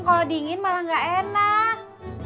kalau dingin malah gak enak